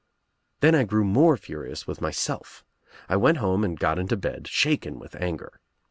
"Then I grew more furious with myself. I went home and got into bed, shaken with anger.